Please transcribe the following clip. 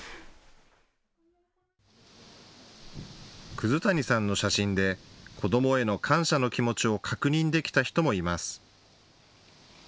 葛谷さんの写真で子どもへの感謝の気持ちを確認できた人もいます。